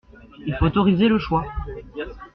Il faut autoriser le choix.